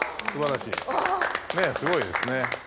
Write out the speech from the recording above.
ねぇすごいですね。